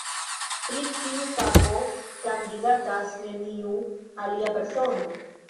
Pri tiu fako kandidatas neniu alia persono.